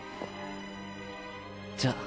じゃあ。